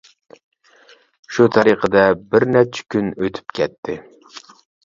شۇ تەرىقىدە بىر نەچچە كۈن ئۆتۈپ كەتتى.